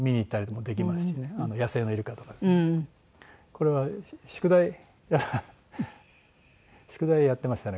これは宿題宿題やってましたね